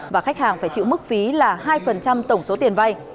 và khách hàng phải chịu mức phí là hai tổng số tiền vay